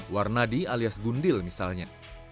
warna d alias gundil misalnya